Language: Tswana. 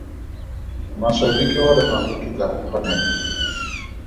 Maswabi ke gore ga go kitla go kgonega.